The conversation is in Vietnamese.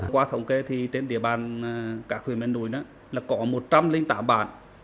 qua thống kê thì trên địa bàn các huyện miền núi là có một trăm linh tám bản